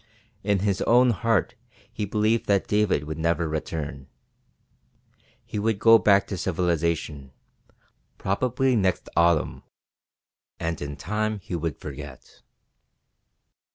In his own heart he believed that David would never return. He would go back to civilization, probably next autumn, and in time he would forget.